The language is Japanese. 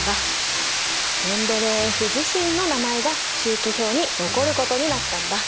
メンデレーエフ自身の名前が周期表に残ることになったんだ。